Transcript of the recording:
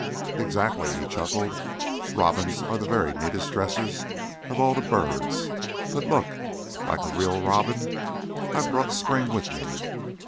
"Exactly," he chuckled. "Robins are the very neatest dressers of all the birds. But look! Like a real robin, I've brought spring with me."